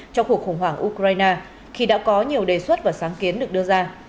trong cuộc khủng hoảng ukraine khi đã có nhiều đề xuất và sáng kiến được đưa ra